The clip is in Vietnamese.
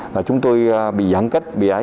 là chúng tôi bị giãn cách bị ái